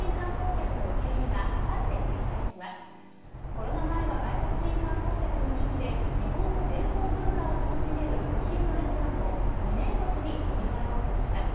コロナ前は外国人観光客に人気で日本の伝統文化を楽しめる都心のレストランも２年越しにリニューアルオープンします。